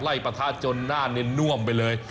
ปะทะจนหน้าเน้นน่วมไปเลย